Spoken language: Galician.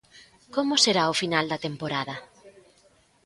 Como será o final de temporada?